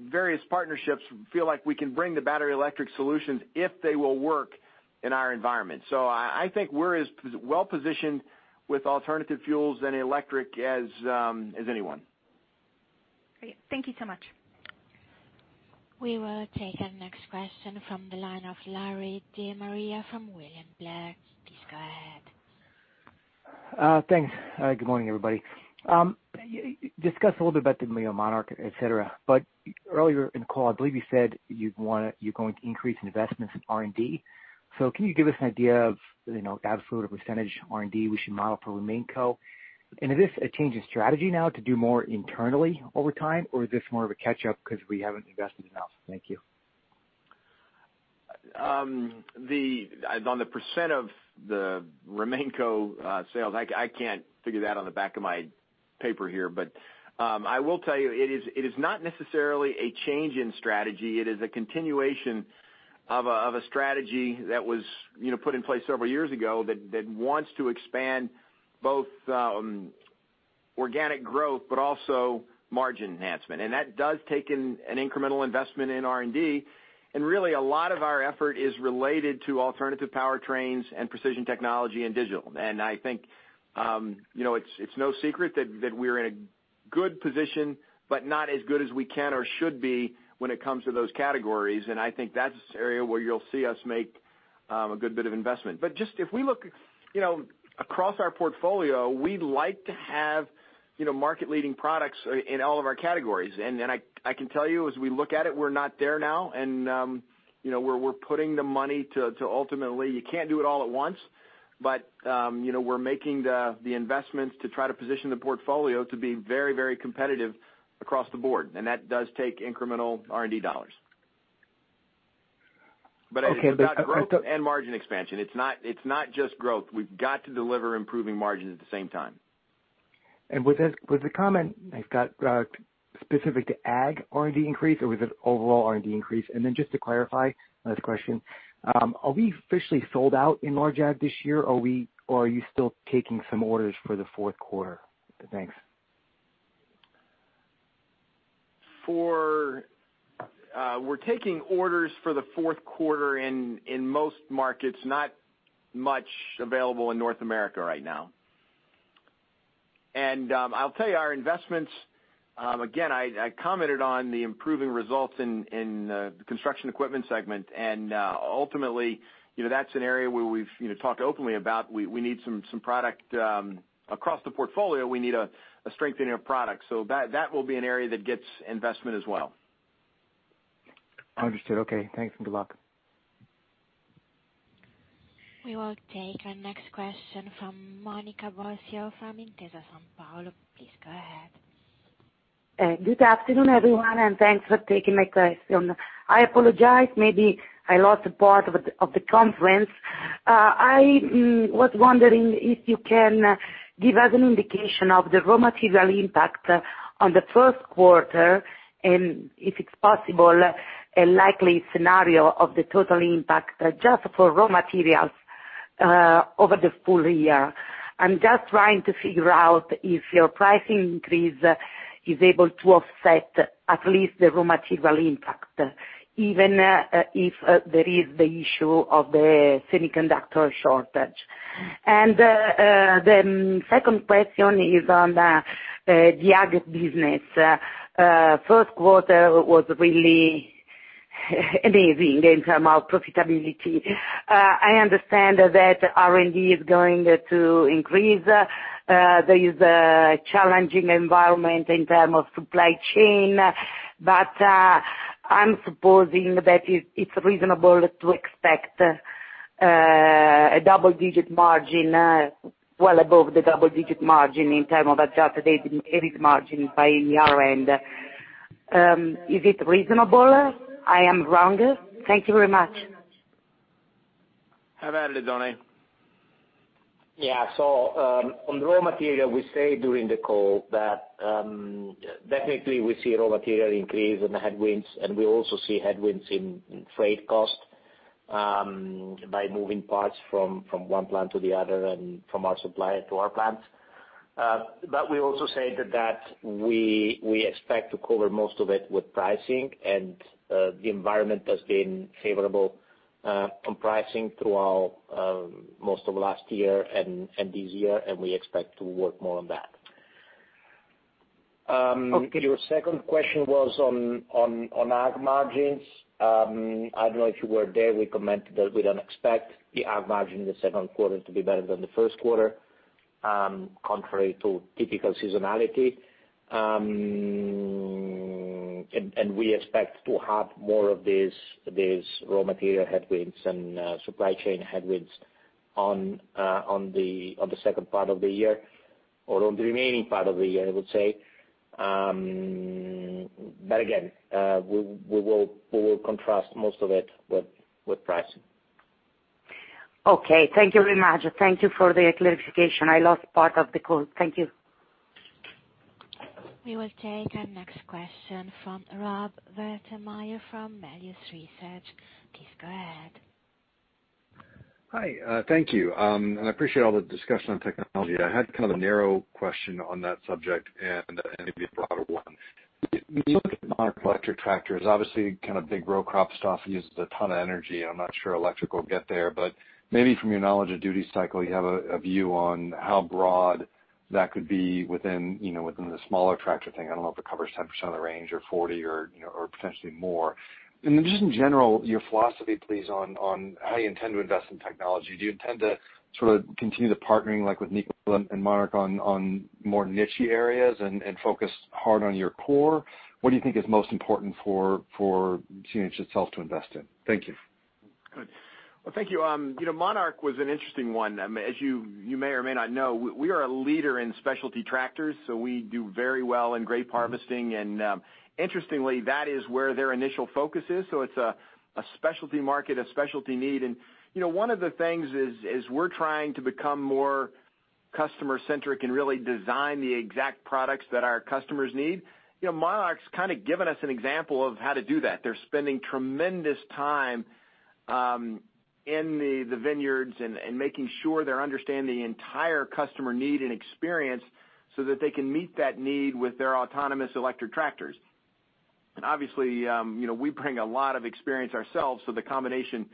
various partnerships, feel like we can bring the battery electric solutions if they will work in our environment. I think we're as well-positioned with alternative fuels and electric as anyone. Great. Thank you so much. We will take the next question from the line of Larry De Maria from William Blair. Please go ahead. Thanks. Good morning, everybody. Discuss a little bit about the Monarch, et cetera. Earlier in the call, I believe you said you're going to increase investments in R&D. Can you give us an idea of absolute or percentage R&D we should model for RemainCo? Is this a change in strategy now to do more internally over time, or is this more of a catch-up because we haven't invested enough? Thank you. On the % of the RemainCo sales, I can't figure that on the back of my paper here. I will tell you, it is not necessarily a change in strategy. It is a continuation of a strategy that was put in place several years ago that wants to expand both organic growth but also margin enhancement. That does take an incremental investment in R&D. Really a lot of our effort is related to alternative powertrains and precision technology and digital. I think it's no secret that we're in a good position, but not as good as we can or should be when it comes to those categories. I think that's an area where you'll see us make a good bit of investment. If we look across our portfolio, we'd like to have market-leading products in all of our categories. I can tell you, as we look at it, we're not there now, and we're putting the money to ultimately, you can't do it all at once, but we're making the investments to try to position the portfolio to be very competitive across the board, and that does take incremental R&D dollars. Okay. It's about growth and margin expansion. It's not just growth. We've got to deliver improving margins at the same time. Was the comment, I've got specific to ag R&D increase, or was it overall R&D increase? Just to clarify last question, are we officially sold out in large ag this year, or are you still taking some orders for the fourth quarter? Thanks. We're taking orders for the fourth quarter in most markets, not much available in North America right now. I'll tell you our investments, again, I commented on the improving results in the Construction equipment segment. Ultimately, that's an area where we've talked openly about, we need some product across the portfolio. We need a strengthening of product. That will be an area that gets investment as well. Understood. Okay. Thanks, and good luck. We will take our next question from Monica Bosio from Intesa Sanpaolo. Please go ahead. Good afternoon, everyone. Thanks for taking my question. I apologize, maybe I lost part of the conference. I was wondering if you can give us an indication of the raw material impact on the first quarter, and if it's possible, a likely scenario of the total impact just for raw materials over the full year. I'm just trying to figure out if your pricing increase is able to offset at least the raw material impact, even if there is the issue of the semiconductor shortage. The second question is on the ag business. First quarter was really amazing in terms of profitability. I understand that R&D is going to increase. There is a challenging environment in terms of supply chain. I'm supposing that it's reasonable to expect a double-digit margin, well above the double-digit margin in terms of adjusted EBIT margin by year-end. Is it reasonable? I am wrong? Thank you very much. Have at it, Oddone. Yeah. On raw material, we say during the call that definitely we see raw material increase in the headwinds, and we also see headwinds in freight cost by moving parts from one plant to the other and from our supplier to our plants. We also say that we expect to cover most of it with pricing and the environment has been favorable on pricing throughout most of last year and this year, and we expect to work more on that. Okay. Your second question was on ag margins. I don't know if you were there. We commented that we don't expect the ag margin in the second quarter to be better than the first quarter, contrary to typical seasonality. We expect to have more of these raw material headwinds and supply chain headwinds on the second part of the year or on the remaining part of the year, I would say. Again, we will contrast most of it with pricing. Okay. Thank you very much. Thank you for the clarification. I lost part of the call. Thank you. We will take our next question from Rob Wertheimer from Melius Research. Please go ahead. Hi. Thank you. I appreciate all the discussion on technology. I had kind of a narrow question on that subject and maybe a broader one. When you look at Monarch electric tractors, obviously kind of big row crop stuff uses a ton of energy, and I'm not sure electric will get there. Maybe from your knowledge of duty cycle, you have a view on how broad that could be within the smaller tractor thing. I don't know if it covers 10% of the range or 40% or potentially more. Just in general, your philosophy, please, on how you intend to invest in technology. Do you intend to sort of continue the partnering like with Nikola and Monarch on more niche-y areas and focus hard on your core? What do you think is most important for CNH itself to invest in? Thank you. Good. Well, thank you. Monarch was an interesting one. As you may or may not know, we are a leader in specialty tractors, so we do very well in grape harvesting. Interestingly, that is where their initial focus is. It's a specialty market, a specialty need. One of the things is we're trying to become more customer-centric and really design the exact products that our customers need. Monarch's kind of given us an example of how to do that. They're spending tremendous time in the vineyards and making sure they're understanding the entire customer need and experience so that they can meet that need with their autonomous electric tractors. Obviously, we bring a lot of experience ourselves, so the combination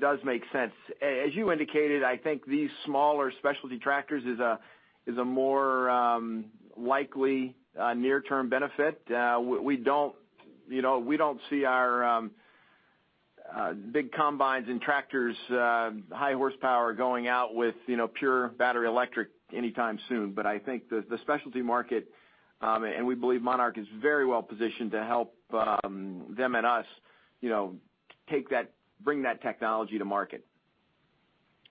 does make sense. As you indicated, I think these smaller specialty tractors is a more likely near-term benefit. We don't see our big combines and tractors, high horsepower going out with pure battery electric anytime soon. I think the specialty market, and we believe Monarch is very well-positioned to help them and us bring that technology to market.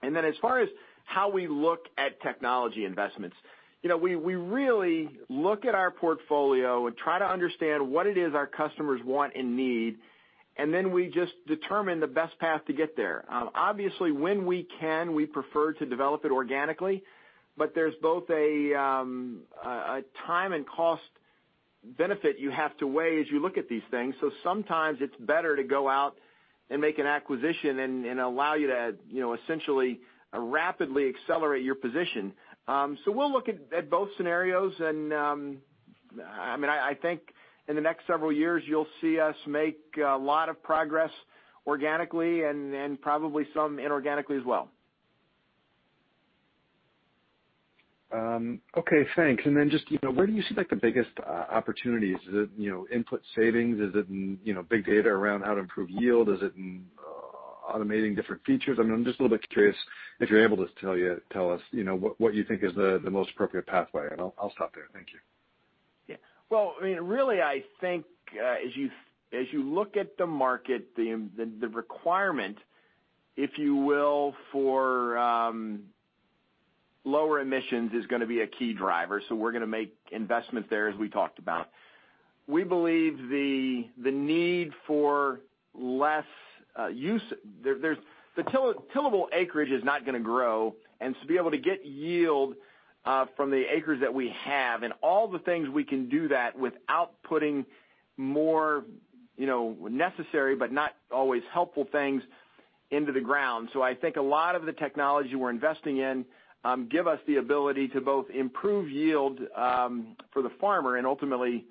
As far as how we look at technology investments, we really look at our portfolio and try to understand what it is our customers want and need, and then we just determine the best path to get there. Obviously, when we can, we prefer to develop it organically, but there's both a time and cost benefit you have to weigh as you look at these things. Sometimes it's better to go out and make an acquisition and allow you to essentially rapidly accelerate your position. We'll look at both scenarios and I think in the next several years, you'll see us make a lot of progress organically and probably some inorganically as well. Okay, thanks. Then just where do you see the biggest opportunities? Is it input savings? Is it in big data around how to improve yield? Is it in automating different features? I'm just a little bit curious if you're able to tell us what you think is the most appropriate pathway. I'll stop there. Thank you. Yeah. Well, really, I think as you look at the market, the requirement, if you will, for lower emissions is going to be a key driver. We're going to make investments there, as we talked about. We believe the need for less use. The tillable acreage is not going to grow, and to be able to get yield from the acres that we have and all the things we can do that without putting more necessary but not always helpful things into the ground. I think a lot of the technology we're investing in give us the ability to both improve yield for the farmer and ultimately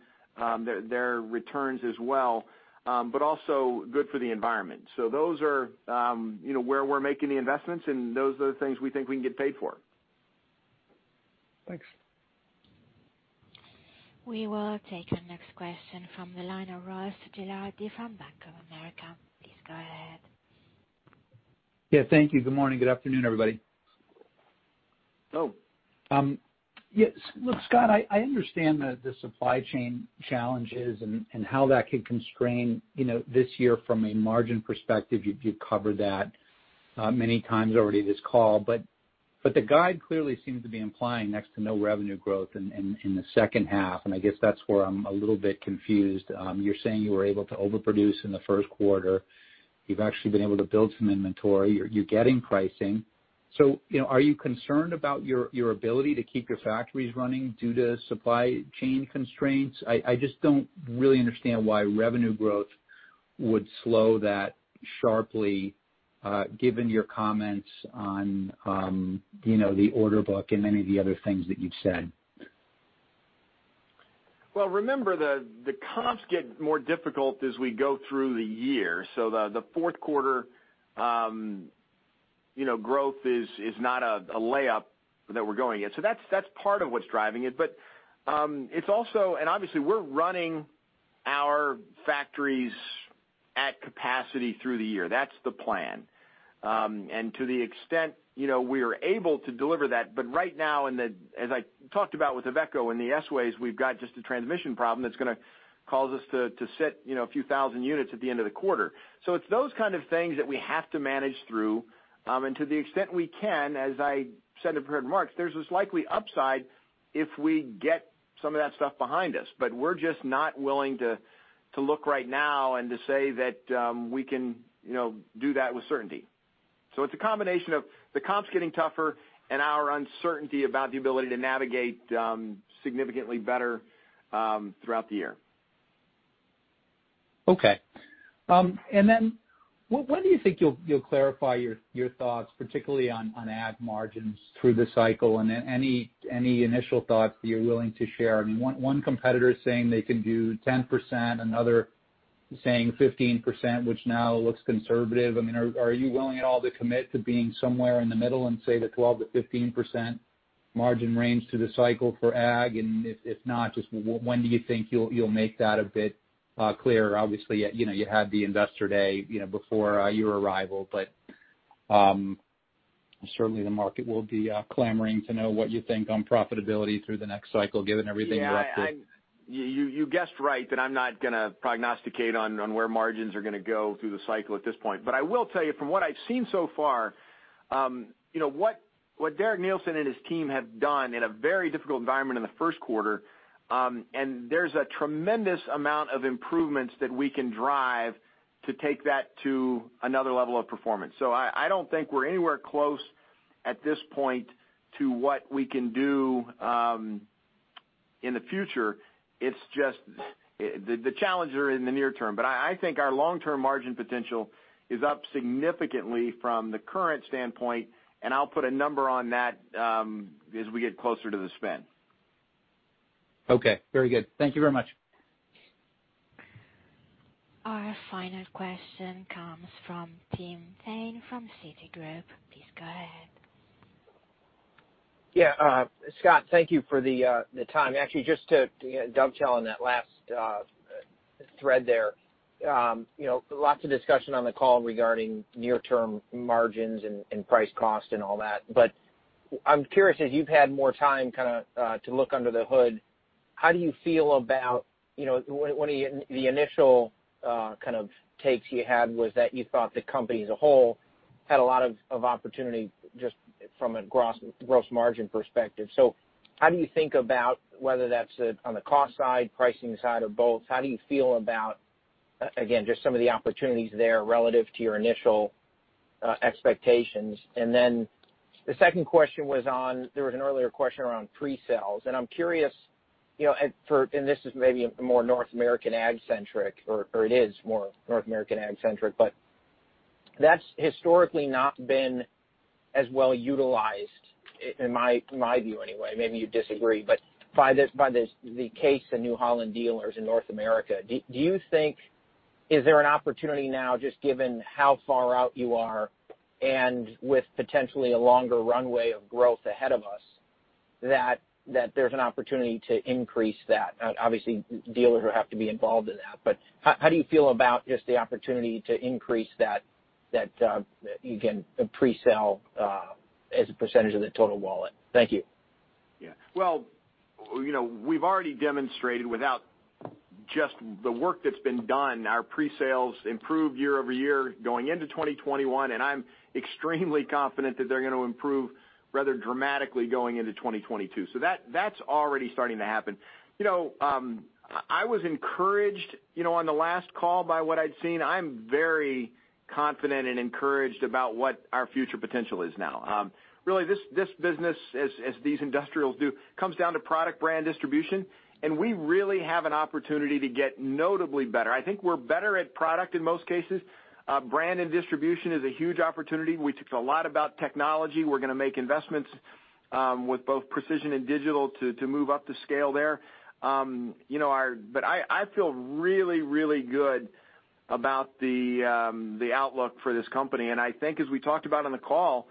their returns as well, but also good for the environment. Those are where we're making the investments, and those are the things we think we can get paid for. Thanks. We will take the next question from the line of Ross Gilardi from Bank of America. Please go ahead. Yeah, thank you. Good morning. Good afternoon, everybody. Hello. Yes. Look, Scott, I understand the supply chain challenges and how that could constrain this year from a margin perspective. You've covered that many times already this call. The guide clearly seems to be implying next to no revenue growth in the second half, and I guess that's where I'm a little bit confused. You're saying you were able to overproduce in the first quarter. You've actually been able to build some inventory. You're getting pricing. Are you concerned about your ability to keep your factories running due to supply chain constraints? I just don't really understand why revenue growth would slow that sharply given your comments on the order book and many of the other things that you've said. Well, remember, the comps get more difficult as we go through the year. The fourth quarter growth is not a layup that we're going in. That's part of what's driving it. It's also, obviously, we're running our factories at capacity through the year. That's the plan. To the extent we are able to deliver that, but right now, as I talked about with the IVECO and the S-WAY, we've got just a transmission problem that's going to cause us to sit a few thousand units at the end of the quarter. It's those kind of things that we have to manage through. To the extent we can, as I said to Fred Marks, there's this likely upside if we get some of that stuff behind us. We're just not willing to look right now and to say that we can do that with certainty. It's a combination of the comps getting tougher and our uncertainty about the ability to navigate significantly better throughout the year. Okay. When do you think you'll clarify your thoughts, particularly on Ag margins through the cycle and any initial thoughts that you're willing to share? One competitor is saying they can do 10%, another saying 15%, which now looks conservative. Are you willing at all to commit to being somewhere in the middle and say the 12%-15% margin range through the cycle for Ag? If not, just when do you think you'll make that a bit clearer? Obviously, you had the Investor Day before your arrival, but certainly the market will be clamoring to know what you think on profitability through the next cycle, given everything you've updated. Yeah. You guessed right that I'm not going to prognosticate on where margins are going to go through the cycle at this point. I will tell you from what I've seen so far what Derek Neilson and his team have done in a very difficult environment in the first quarter. There's a tremendous amount of improvements that we can drive to take that to another level of performance. I don't think we're anywhere close at this point to what we can do in the future. It's just the challenges are in the near term. I think our long-term margin potential is up significantly from the current standpoint, and I'll put a number on that as we get closer to the spin. Okay. Very good. Thank you very much. Our final question comes from Tim Thein from Citigroup. Please go ahead. Yeah. Scott, thank you for the time. Actually, just to dovetail on that last thread there. Lots of discussion on the call regarding near-term margins and price cost and all that. I'm curious, as you've had more time kind of to look under the hood, how do you feel about one of the initial kind of takes you had was that you thought the company as a whole had a lot of opportunity just from a gross margin perspective. How do you think about whether that's on the cost side, pricing side, or both? How do you feel about, again, just some of the opportunities there relative to your initial expectations? The second question was on, there was an earlier question around pre-sales, and I'm curious, and this is maybe more North American ag centric, or it is more North American ag centric. That's historically not been as well utilized, in my view anyway. Maybe you disagree, but by the case of New Holland dealers in North America, is there an opportunity now, just given how far out you are and with potentially a longer runway of growth ahead of us, that there's an opportunity to increase that? Obviously, dealers would have to be involved in that, but how do you feel about just the opportunity to increase that you can pre-sell as a percentage of the total wallet? Thank you. Yeah. Well, we've already demonstrated without just the work that's been done, our pre-sales improved year-over-year going into 2021, and I'm extremely confident that they're going to improve rather dramatically going into 2022. That's already starting to happen. I was encouraged on the last call by what I'd seen. I'm very confident and encouraged about what our future potential is now. Really, this business, as these industrials do, comes down to product brand distribution, and we really have an opportunity to get notably better. I think we're better at product in most cases. Brand and distribution is a huge opportunity. We talked a lot about technology. We're going to make investments with both precision and digital to move up the scale there. I feel really, really good about the outlook for this company, and I think as we talked about on the call,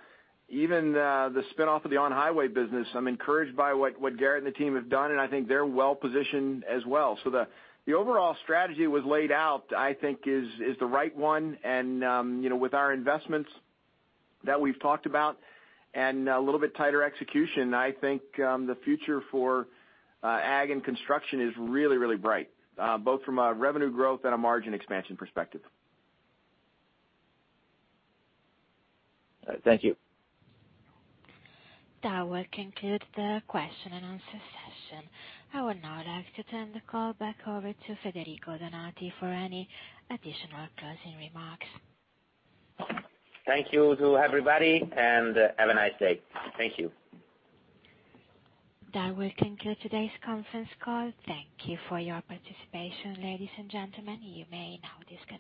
even the spin-off of the On-Highway business, I'm encouraged by what Gerrit and the team have done, and I think they're well-positioned as well. The overall strategy that was laid out, I think is the right one, and with our investments that we've talked about and a little bit tighter execution, I think the future for ag and construction is really, really bright, both from a revenue growth and a margin expansion perspective. Thank you. That will conclude the question and answer session. I would now like to turn the call back over to Federico Donati for any additional closing remarks. Thank you to everybody, and have a nice day. Thank you. That will conclude today's conference call. Thank you for your participation, ladies and gentlemen. You may now disconnect.